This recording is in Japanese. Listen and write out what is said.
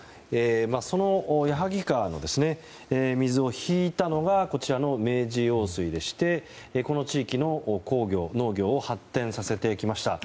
その矢作川の水を引いたのがこちらの明治用水でしてこの地域の工業、農業を発展させてきました。